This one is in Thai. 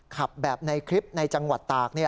ขับแบบในคลิปในจังหวัดตาก